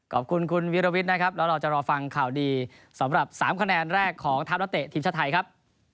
ขอบคุณคุณวิรวิทย์นะครับแล้วเราจะรอฟังข่าวดีสำหรับ๓คะแนนแรกของทัพนักเตะทีมชาติไทยครับ